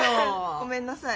ごめんなさい。